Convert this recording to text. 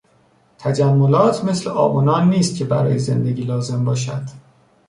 تجملات مثل آب و نان نیست که برای زندگی لازم باشد.